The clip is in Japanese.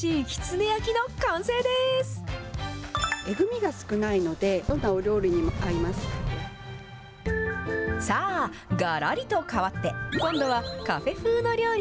えぐみが少ないので、さあ、がらりと変わって、今度はカフェ風の料理。